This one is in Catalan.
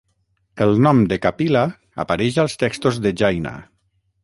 El nom de Kapila apareix als textos de Jaina.